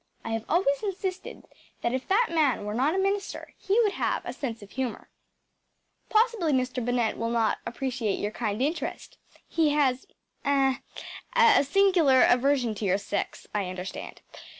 I have always insisted that if that man were not a minister he would have a sense of humour. “Possibly Mr. Bennett will not appreciate your kind interest! He has ah a singular aversion to your sex, I understand.